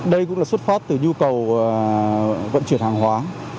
đây cũng là xuất phát từ nhu cầu vận chuyển hàng hóa